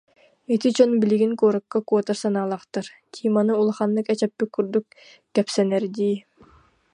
Ити дьон билигин куоракка куотар санаалаахтар, Тиманы улаханнык эчэппит курдук кэпсэнэр дии